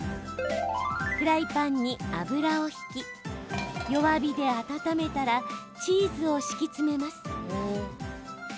フライパンに油を引き弱火で温めたらチーズを敷き詰めます。